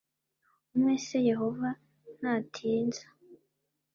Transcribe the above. umwe s Yehova ntatinza